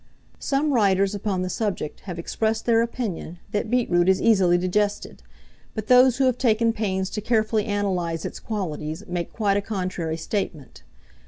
Some writers upon the subject have expressed their opinion that beetroot is easily digested, but those who have taken pains to carefully analyze its qualities make quite a contrary statement.